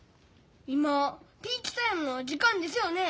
今ピーチタイムの時間ですよね？